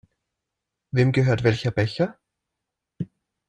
Wem gehört welcher Becher?